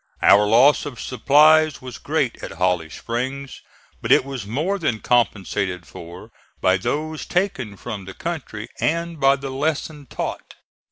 Our loss of supplies was great at Holly Springs, but it was more than compensated for by those taken from the country and by the lesson taught.